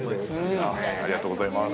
◆ありがとうございます。